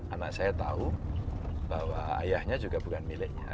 anak saya tahu bahwa ayahnya juga bukan miliknya